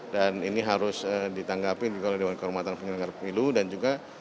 dan ini harus ditanggapi oleh dewan kehormatan pengelenggara pemilu dan juga